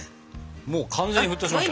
もう完全に沸騰しました。